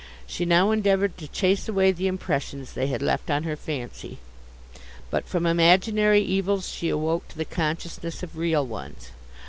She now endeavoured to chase away the impressions they had left on her fancy; but from imaginary evils she awoke to the consciousness of real ones.